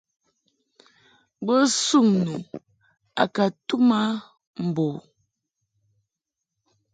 Bo suŋ nu a ka tum mɨ a mbo u.